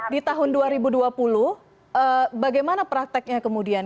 di tahun dua ribu dua puluh bagaimana prakteknya kemudian